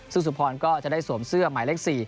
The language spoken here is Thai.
ซึ่งสุพรก็จะได้สวมเสื้อหมายเลข๔